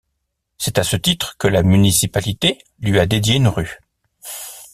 C'est à ce titre que la municipalité lui a dédié une rue.